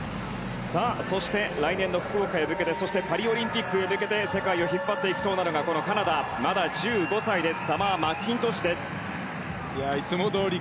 そして、来年の福岡へ向けてそしてパリオリンピックへ向けて世界を引っ張っていきそうなのがこのカナダ、まだ１５歳です。